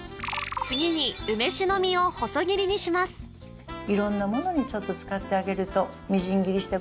次に梅酒の実を細切りにしますそうですね